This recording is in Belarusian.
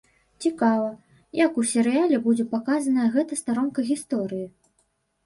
Цікава, як у серыяле будзе паказаная гэтая старонка гісторыі?